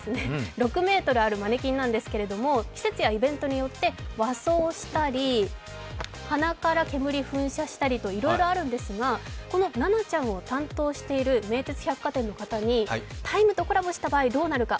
６ｍあるマネキンなんですけれど季節やイベントによって和装したり鼻から煙を噴射したりといろいろあるんですが、ナナちゃんを担当している名鉄百貨店の方に「ＴＨＥＴＩＭＥ，」とコラボしたらどうなるか。